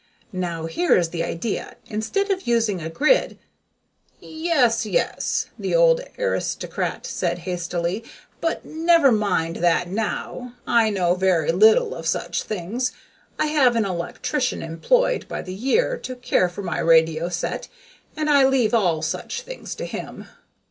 Now, here is the idea: instead of using a grid " "Yes, yes!" the old aristocrat said hastily. "But never mind that now. I know very little of such things. I have an electrician employed by the year to care for my radio set and I leave all such things to him.